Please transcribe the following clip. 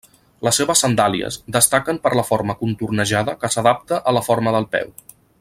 Les seves sandàlies destaquen per la forma contornejada que s'adapta a la forma del peu.